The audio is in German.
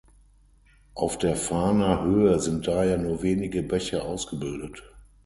Auf der Fahner Höhe sind daher nur wenige Bäche ausgebildet.